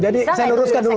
jadi saya teruskan dulu